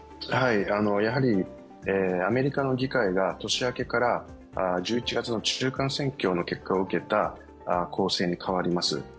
アメリカの議会が年明けから１１月の中間選挙の結果を受けた構成に変わります。